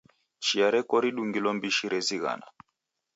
Chia reko ridungilo mbishi rezighana.